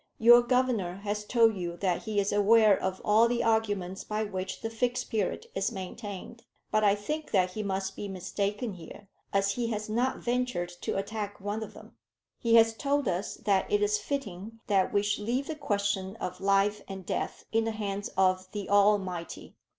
"Your Governor has told you that he is aware of all the arguments by which the Fixed Period is maintained; but I think that he must be mistaken here, as he has not ventured to attack one of them. He has told us that it is fitting that we should leave the question of life and death in the hands of the Almighty.